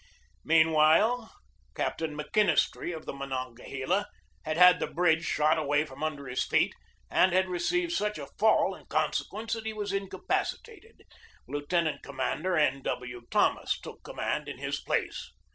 Meanwhile, Captain McKinistry, of the Monon gahela y had had the bridge shot away from under THE BATTLE OF PORT HUDSON 91 his feet, and had received such a fall in consequence that he was incapacitated. Lieutenant Commander N. W. Thomas took command in his place.